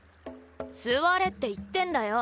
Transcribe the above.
座れって言ってんだよ。